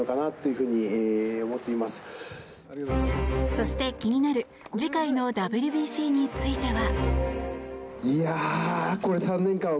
そして、気になる次回のＷＢＣについては。